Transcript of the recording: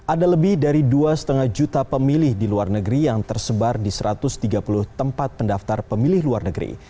ada lebih dari dua lima juta pemilih di luar negeri yang tersebar di satu ratus tiga puluh tempat pendaftar pemilih luar negeri